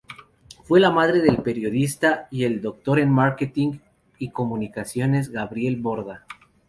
Fue la madre del Periodista y Doctor en Marketing y Comunicaciones Gabriel Borda.